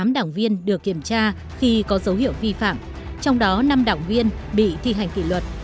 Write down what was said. tám đảng viên được kiểm tra khi có dấu hiệu vi phạm trong đó năm đảng viên bị thi hành kỷ luật